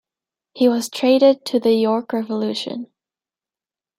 He was traded to the York Revolution.